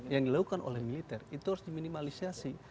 yang dilakukan oleh militer itu harus diminimalisasi